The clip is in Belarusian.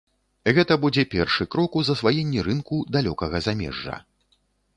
Гэта будзе першы крок у засваенні рынку далёкага замежжа.